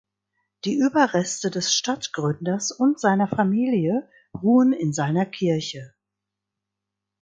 Die Überreste des Stadtgründers und seiner Familie ruhen in seiner Kirche.